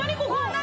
何？